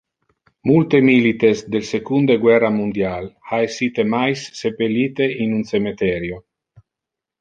Multe milites del secunde guerra mundial ha essite mais sepelite in un cemeterio.